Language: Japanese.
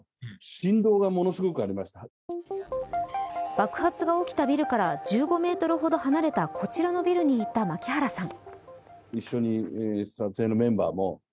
爆発が起きたビルから１５ｍほど離れたこちらのビルにいた槙原さん。